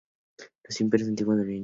Los Imperios del Antiguo Oriente.